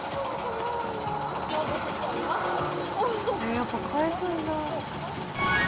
やっぱ返すんだ。